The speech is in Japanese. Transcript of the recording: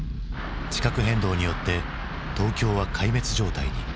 地殻変動によって東京は壊滅状態に。